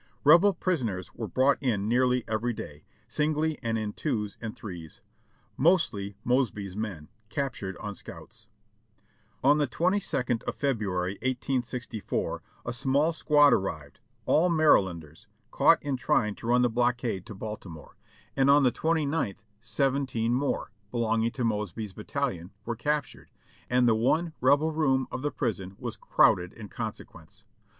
Rebel prisoners were brought in nearly every day, singly and in twos and threes; mostly Mosby's men, captured on scouts. On the twenty second of February, 1864, a small squad ar rived, all Marylanders, caught in trying to run the blockade to RECAPTURED 485 Baltimore; and on the twenty ninth, seventeen more, belonging to Mosby's battalion, vvcre captured, and the one Rebel room of the prison was crowded in consequence.